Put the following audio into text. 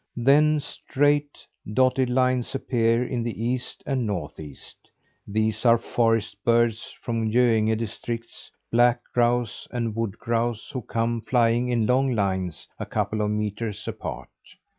Then straight, dotted lines appear in the East and Northeast. These are forest birds from Göinge districts: black grouse and wood grouse who come flying in long lines a couple of metres apart.